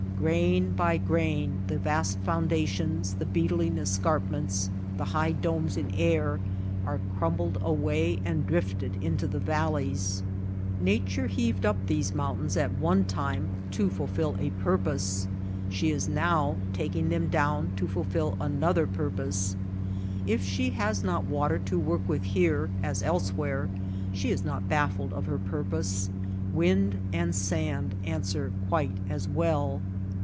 Grain by grain, the vast foundations, the beetling escarpments, the high domes in air are crumbled away and drifted into the valleys. Nature heaved up these mountains at one time to fulfil a purpose : she is now taking them down to fulfil another purpose. If she has not water to work with here as elsewhere she is not baffled of her purpose. Wind and sand an swer quite as well.